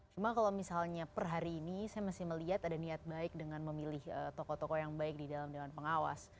cuma kalau misalnya per hari ini saya masih melihat ada niat baik dengan memilih tokoh tokoh yang baik di dalam dewan pengawas